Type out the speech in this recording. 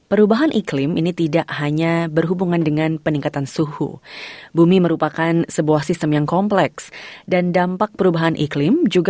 emisi nol bersih dr tang